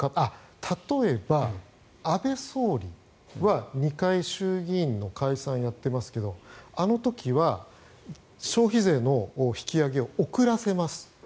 例えば、安倍総理は２回、衆議院の解散をやっていますがあの時は消費税の引き上げを遅らせます。